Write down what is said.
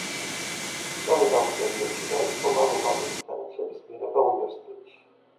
სწორედ ამ პერიოდში დაიწყო მან უმაღლესი განათლების მიღება უნივერსიტეტში.